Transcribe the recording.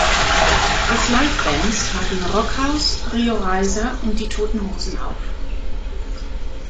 Als Livebands traten Rockhaus, Rio Reiser und Die Toten Hosen auf.